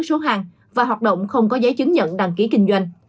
số hàng và hoạt động không có giấy chứng nhận đăng ký kinh doanh